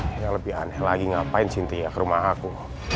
yang lebih aneh lagi ngapain sinti ya ke rumah aku